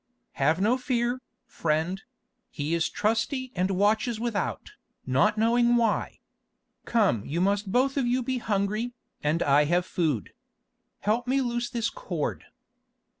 "Have no fear, friend; he is trusty and watches without, not knowing why. Come, you must both of you be hungry, and I have food. Help me loose this cord."